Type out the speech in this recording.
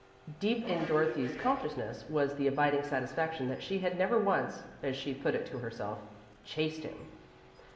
Deep in Dorothy's consciousness was the abiding satisfaction that she had never once, as she put it to herself, "chased him."